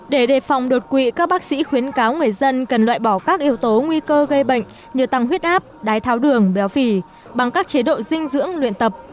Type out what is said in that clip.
để đề phòng đột quỵ các bác sĩ khuyến cáo người dân cần loại bỏ các yếu tố nguy cơ gây bệnh như tăng huyết áp đái tháo đường béo phì bằng các chế độ dinh dưỡng luyện tập